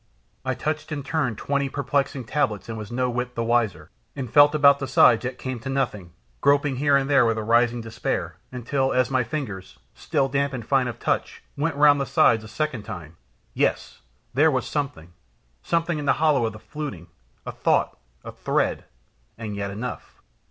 I touched in turn twenty perplexing tablets and was no whit the wiser, and felt about the sides yet came to nothing, groping here and there with a rising despair, until as my fingers, still damp and fine of touch, went round the sides a second time, yes! there was something, something in the hollow of the fluting, a thought, a thread, and yet enough.